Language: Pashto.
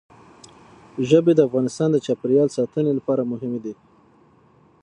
ژبې د افغانستان د چاپیریال ساتنې لپاره مهم دي.